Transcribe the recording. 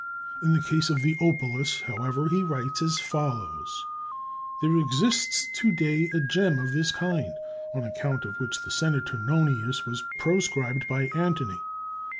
In the case of the opalus, however, he writes as follows: "There exists to day a gem of this kind, on account of which the senator Nonius was proscribed by Antony.